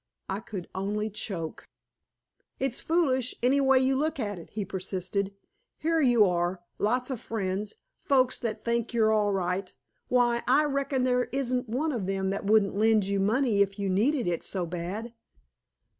I could only choke. "It's foolish, any way you look at it," he persisted. "Here you are, lots of friends, folks that think you're all right. Why, I reckon there isn't one of them that wouldn't lend you money if you needed it so bad."